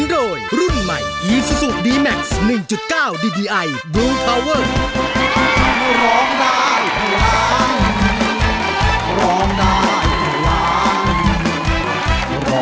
ร้องได้ไทยร้าง